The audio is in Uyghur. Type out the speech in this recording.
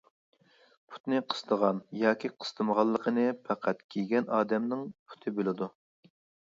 پۇتنى قىستىغان ياكى قىستىمىغانلىقىنى پەقەت كىيگەن ئادەمنىڭ پۇتى بىلىدۇ.